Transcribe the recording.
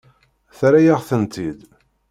Terra-yaɣ-tent-id.